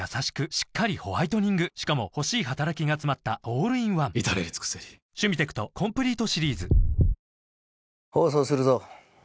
しっかりホワイトニングしかも欲しい働きがつまったオールインワン至れり尽せり堀倉町のヤマから外れるという事か？